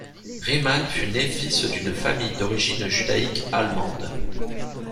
Riesman fut né fils d'une famille d'origine judaïque-allemande.